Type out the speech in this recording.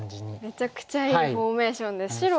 めちゃくちゃいいフォーメーションで白がちょっと。